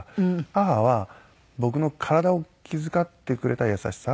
母は僕の体を気遣ってくれた優しさ。